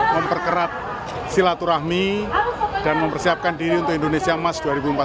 memperkerap silaturahmi dan mempersiapkan diri untuk indonesia emas dua ribu empat puluh lima